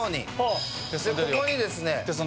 ここにですね